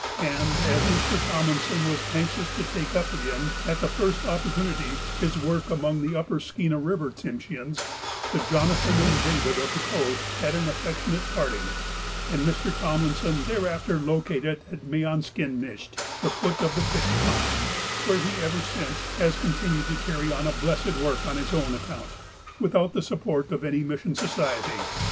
And, as Mr. Tomlinson was anxious to take up again, at the first opportunity, his work among the upper Skeena River Tsimsheans, the Jonathan and David of the Coast had an affectionate parting, and Mr. Tomlinson thereafter located at Meanskinisht (the foot of the pitch pines), where he ever since has continued to carry on a blessed work on his own account, without the support of any mission society.